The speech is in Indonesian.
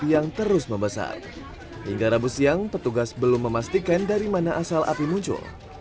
yang terus membesar hingga rabu siang petugas belum memastikan dari mana asal api muncul